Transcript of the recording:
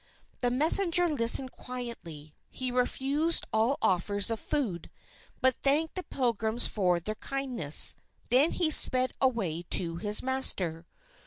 The messenger listened quietly. He refused all offers of food, but thanked the Pilgrims for their kindness. Then he sped away to his master.